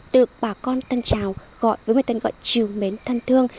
được bà con tân trào gọi với một tên gọi chiều mến thân thương